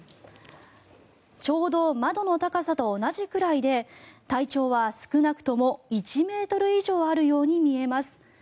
ちょうど窓の高さと同じぐらいで体長は、少なくとも１ｍ以上あるように見えます。